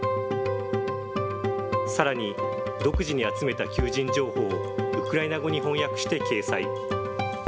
さらに、独自に集めた求人情報を、ウクライナ語に翻訳して掲載。